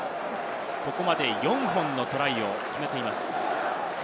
ここまで４本のトライを決めています。